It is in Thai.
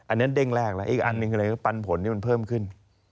อันนั้นเด้งแรกแล้วอีกอันหนึ่งคือปันผลที่มันเพิ่มขึ้น